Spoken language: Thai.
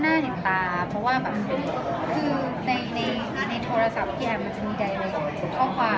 ในข้อความใช่ไหมคะ